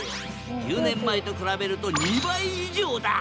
１０年前と比べると２倍以上だ！